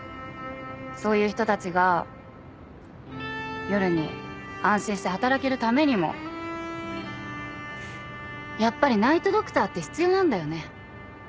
そういう人たちが夜に安心して働けるためにもやっぱりナイト・ドクターって必要なんだよね。